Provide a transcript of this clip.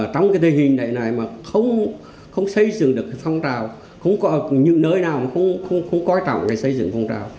trong thế hình này không xây dựng được phong trào không có những nơi nào không quan trọng để xây dựng phong trào